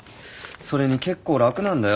それに結構楽なんだよ。